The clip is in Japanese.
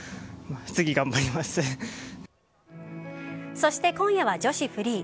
そして今夜は女子フリー。